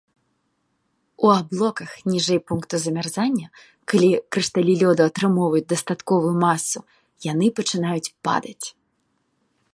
У аблоках ніжэй пункту замярзання, калі крышталі лёду атрымоўваюць дастатковую масу, яны пачынаюць падаць.